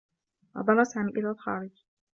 نظر سامي إلى الخارج.